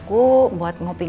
ya udah kita ketemu di sana